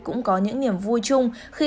cũng có những niềm vui chung khi